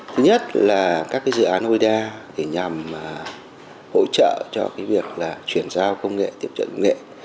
thứ nhất là các dự án oda nhằm hỗ trợ cho việc chuyển giao công nghệ tiệm trợ công nghệ